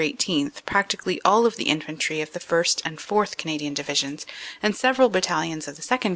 18, practically all the Infantry of the 1st. and 4th. Canadian Divisions and several Battalions of the 2nd.